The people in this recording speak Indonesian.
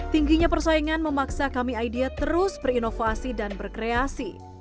tingginya persaingan memaksa kami idea terus berinovasi dan berkreasi